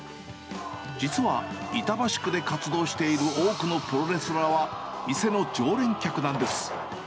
実は、板橋区で活動している多くのプロレスラーは、店の常連客なんです。